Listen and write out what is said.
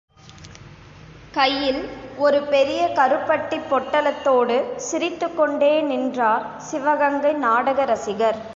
கையில் ஒரு பெரிய கருப்பட்டிப் பொட்டலத்தோடு சிரித்துக் கொண்டே நின்றார் சிவகங்கை நாடக இரசிகர்.